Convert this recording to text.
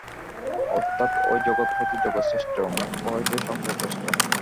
অর্থাৎ অ-জগৎ হইতে জগৎ শ্রেষ্ঠ, মোক্ষ হইতে সংসার শ্রেষ্ঠ।